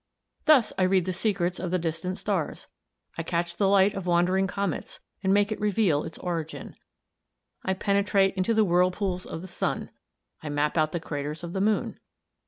Thus I read the secrets of the distant stars; I catch the light of wandering comets, and make it reveal its origin; I penetrate into the whirlpools of the sun; I map out the craters of the moon.